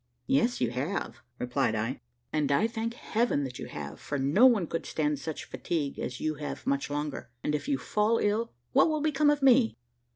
"Yes, you have," replied I, "and I thank Heaven that you have, for no one could stand such fatigue as you have much longer; and if you fall ill, what will become of me?"